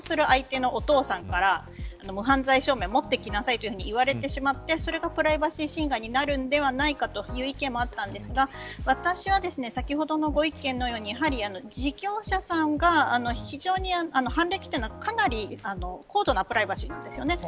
例えば結婚する相手のお父さんから無犯罪証明を持ってきなさいと言われてしまってそれがプライバシー侵害になるのではないかという意見もあったんですが私は、先ほどのご意見のように事業者さんが非常に犯歴というのはかなり高度なプライバシーなんですよね。